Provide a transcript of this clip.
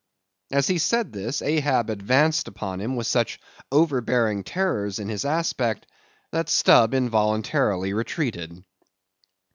As he said this, Ahab advanced upon him with such overbearing terrors in his aspect, that Stubb involuntarily retreated.